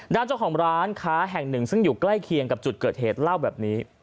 ด้านเจ้าของร้านค้าแห่งหนึ่งซึ่งอยู่ใกล้เคียงกับจุดเกิดเหตุเล่าแบบนี้